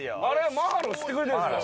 マハロ知ってくれてるんですか？